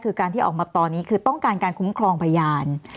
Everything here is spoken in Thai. คือการที่ออกมาตอนนี้คือต้องการการคุ้มครองพยาน